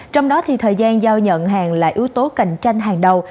trong đó thì thời gian giao nhận hàng là yếu tố cạnh tranh hàng đầu